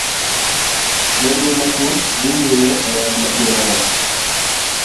Nonro matut dhi nyime e wach masirano.